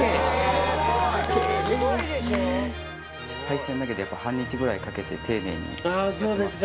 配線だけでやっぱ半日ぐらいかけて丁寧にやってます。